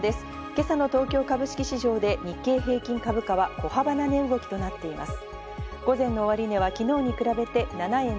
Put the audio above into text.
今朝の東京株式市場で日経平均株価は小幅な値動きとなっています。